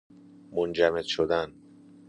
منجمد شدن